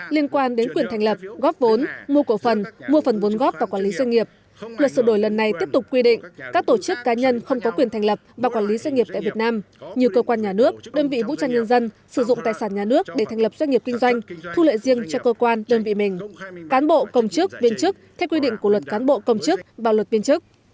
liên quan đến quyền thành lập góp vốn mua cổ phần mua phần vốn góp và quản lý doanh nghiệp luật sửa đổi lần này tiếp tục quy định các tổ chức cá nhân không có quyền thành lập và quản lý doanh nghiệp tại việt nam như cơ quan nhà nước đơn vị vũ trang nhân dân sử dụng tài sản nhà nước để thành lập doanh nghiệp kinh doanh thu lợi riêng cho cơ quan đơn vị mình cán bộ công chức viên chức theo quy định của luật cán bộ công chức và luật viên chức